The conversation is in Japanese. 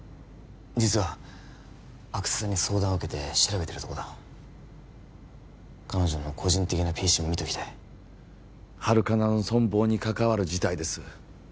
実は阿久津さんに相談を受けて調べてるとこだ彼女の個人的なＰＣも見ときたいハルカナの存亡に関わる事態です